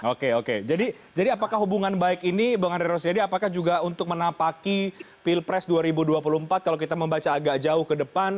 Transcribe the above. oke oke jadi apakah hubungan baik ini bang andre rosiadi apakah juga untuk menapaki pilpres dua ribu dua puluh empat kalau kita membaca agak jauh ke depan